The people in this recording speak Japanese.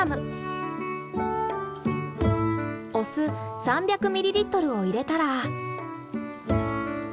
お酢３００ｍｌを入れたら。